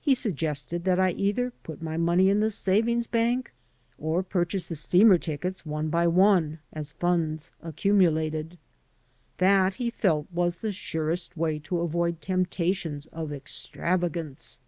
He suggested that I either put my money in the savings bank, or purchase the steamer tickets one by one as funds accumulated. That, he felt, was the surest way to avoid temptations of extravagance.